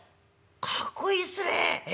「かっこいいっすねえ？